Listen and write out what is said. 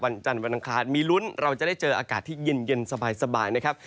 วันจันทร์วันอังคารมีลุ้นเราจะได้เจออากาศที่เย็นสบายนะครับ